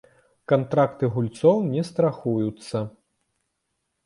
Кантракты гульцоў не страхуюцца.